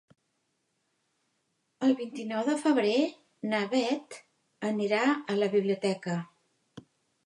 El vint-i-nou de febrer na Beth anirà a la biblioteca.